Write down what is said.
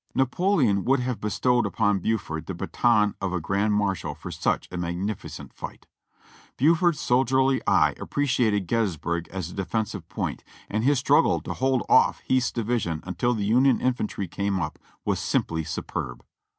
Napoleon would have bestowed upon Buford the baton of a grand marshal for such a magnificent fight. Buford's soldierly eye appreciated Gettysburg as a defensive point, and his struggle to hold off Heth's division until the Union infantry came up was simply superb.